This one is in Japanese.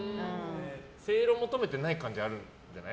正論求めてない感じあるんじゃない？